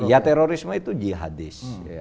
ya terorisme itu jihadis